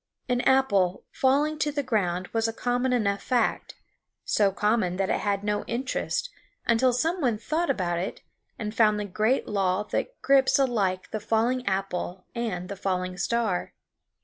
An apple falling to the ground was a common enough fact, so common that it had no interest until some one thought about it and found the great law that grips alike the falling apple and the falling star.